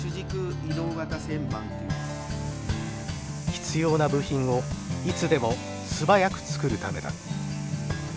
必要な部品をいつでも素早く作るためだ。